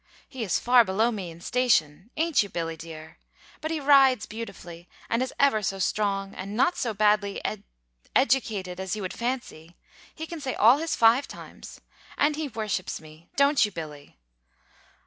He is far below me in station, ain't you, Billy dear? But he rides beautifully, and is ever so strong, and not so badly ed educated as you would fancy: he can say all his 'five times.' And he worships me, don't you, Billy?"